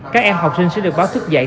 các em học sinh sẽ được báo thức dậy